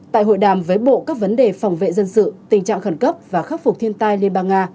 tại hội đàm với bộ các vấn đề phòng vệ dân sự tình trạng khẩn cấp và khắc phục thiên tai liên bang nga